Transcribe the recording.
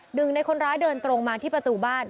หนึ่งในคนร้ายเดินตรงมาที่ประตูบ้าน